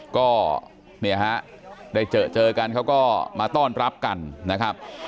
ก็เนี่ยฮะได้เจอเจอกันเขาก็มาต้อนรับกันนะครับ